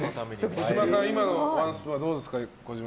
児嶋さん、今のワンスプーンはどうですか？